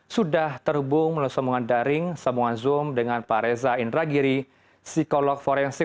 sudah terhubung melalui sambungan daring sambungan zoom dengan pak reza indragiri psikolog forensik